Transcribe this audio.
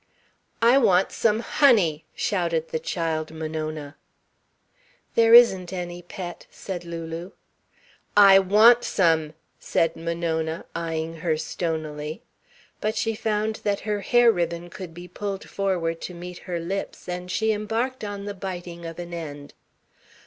"I want some honey," shouted the child, Monona. "There isn't any, Pet," said Lulu. "I want some," said Monona, eyeing her stonily. But she found that her hair ribbon could be pulled forward to meet her lips, and she embarked on the biting of an end.